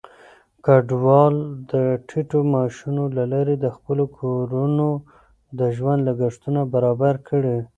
کډوال د ټيټو معاشونو له لارې د خپلو کورونو د ژوند لګښتونه برابر کړي.